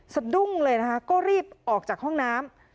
สะดุ้งเลยนะคะก็รีบออกจากห้องน้ำ